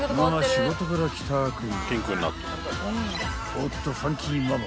［おっとファンキーママ